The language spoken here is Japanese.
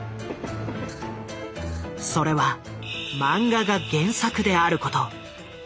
それはマンガが原作であること。